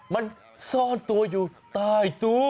มันซ่อนตัวอยู่ใต้ตู้